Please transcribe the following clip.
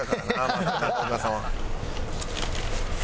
まず中岡さんは。